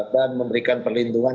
dan memberikan perlindungan